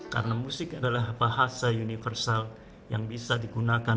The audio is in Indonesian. karena musik adalah bahasa universal yang bisa digunakan